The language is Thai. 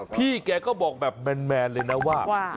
พี่แกก็บอกแบบแมนเลยนะว่า